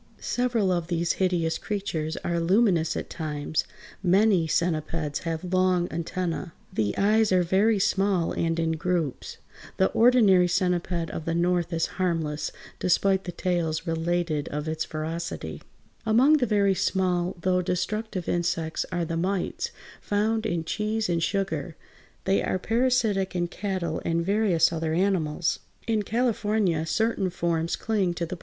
Several of these hideous creatures are luminous at times. Many centipeds have long antennæ. The eyes are very small, and in groups. The ordinary centiped of the North is harmless, despite the tales related of its ferocity. Among the very small, though destructive insects, are the mites, found in cheese and sugar; they are parasitic in cattle and various other animals. In California certain forms (Fig. 167) cling to the bushes. [Illustration: FIG.